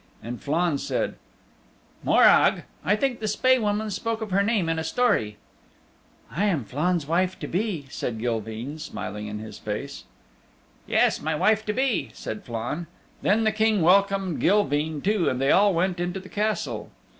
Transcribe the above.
And Flann said, "Morag! I think the Spae Woman spoke of her name in a story." "I am Flann's wife to be," said Gilveen, smiling in his face. "Yes, my wife to be," said Flann. Then the King welcomed Gilveen too, and they all went into the Castle.